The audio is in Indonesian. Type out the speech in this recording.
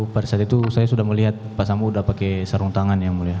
pada saat itu saya sudah melihat pak sambo sudah pakai sarung tangan yang mulia